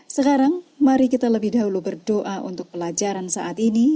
sekarang mari kita lebih dahulu berdoa untuk pelajaran saat ini